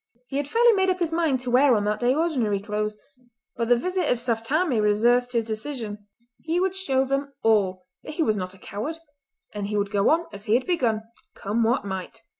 He had fairly made up his mind to wear on that day ordinary clothes, but the visit of Saft Tammie reversed his decision. He would show them all that he was not a coward, and he would go on as he had begun—come what might.